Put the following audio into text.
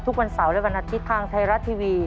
ทุกวันเสาร์และวันอาทิตย์ทางไทยรัฐทีวี